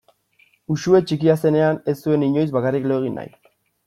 Uxue txikia zenean ez zuen inoiz bakarrik lo egin nahi.